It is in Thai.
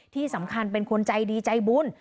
ที่สำคัญเป็นคนใจดีใจบุญ